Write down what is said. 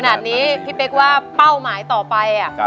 เนี๊ยมเป็นคนจบโดยลึก